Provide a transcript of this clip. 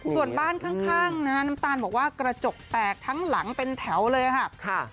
ส่วนบ้านข้างนะฮะน้ำตาลบอกว่ากระจกแตกทั้งหลังเป็นแถวเลยค่ะ